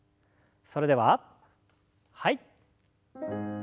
それでははい。